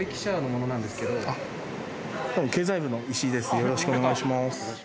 よろしくお願いします。